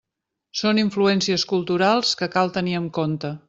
Són influències culturals que cal tenir en compte.